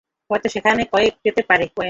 হয়তো সেখানে কয়েন পেতে পারি।